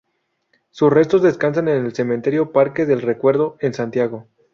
Sus restos descansan en el cementerio Parque del Recuerdo, en Santiago.